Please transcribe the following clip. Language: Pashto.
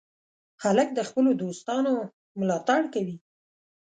هلک د خپلو دوستانو ملاتړ کوي.